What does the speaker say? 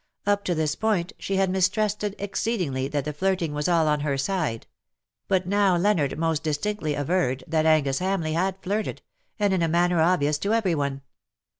Up to this point she had mistrusted exceedingly that the flirting was all on her side : but now Leonard most distinctly averred that Angus Hamleigh had flirted, and in a manner obvious to every one.